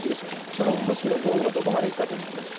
その組織の上部がどこまでいくかという問題です。